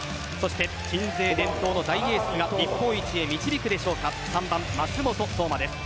鎮西伝統の大エースが日本一へ導くでしょうか３番・舛本颯真です。